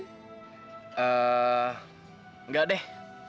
eee nggak deh